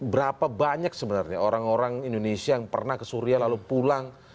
berapa banyak sebenarnya orang orang indonesia yang pernah ke suria lalu pulang